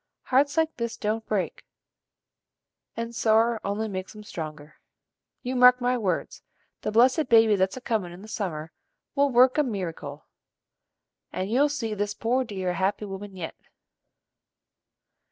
Hearts like this don't break, and sorrer only makes 'em stronger. You mark my words: the blessed baby that's a comin' in the summer will work a merrycle, and you'll see this poor dear a happy woman yet."